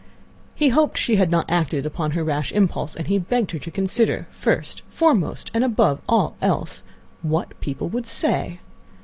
He hoped she had not acted upon her rash impulse; and he begged her to consider first, foremost, and above all else, what people would say.